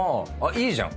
いいじゃん！